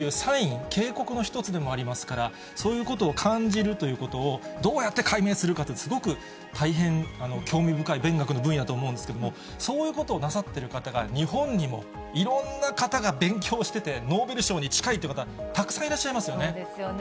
痛みなどに関しては、このままだと、例えば、皮膚がやけどしてしまうよっていうサイン、警告の一つでもありますから、そういうことを感じるということを、どうやって解明するかって、すごく大変興味深い勉学の分野だと思うんですけども、そういうことをなさってる方が日本にも、いろんな方が勉強してて、ノーベル賞に近いという方、たくさんいらっしゃいますよね。